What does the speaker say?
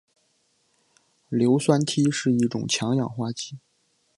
硫酸锑是一种强氧化剂。